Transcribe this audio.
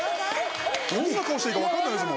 どんな顔していいか分かんないですもん。